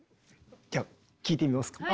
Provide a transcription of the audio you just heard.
じゃ聴いてみますか。